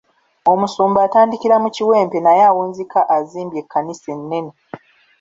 Omusumba atandikira mu kiwempe naye awunzika azimbye ekkanisa enene.